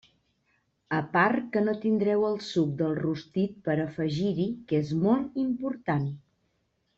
A part que no tindreu el suc del rostit per a afegir-hi, que és molt important.